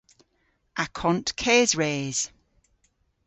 Akont kesres.